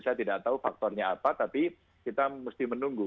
saya tidak tahu faktornya apa tapi kita mesti menunggu